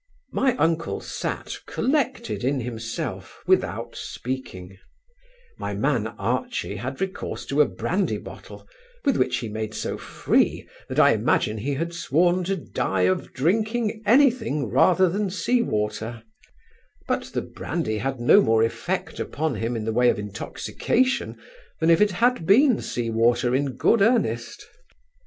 My uncle sat, collected in himself, without speaking; my man Archy had recourse to a brandy bottle, with which he made so free, that I imagined he had sworn to die of drinking any thing rather than sea water: but the brandy had no more effect upon him in the way of intoxication, than if it had been sea water in good earnest.